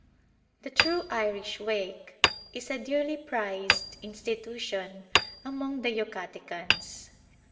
The true Irish wake is a dearly prized institution among the Yucatecans.